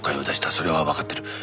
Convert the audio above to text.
それはわかってる。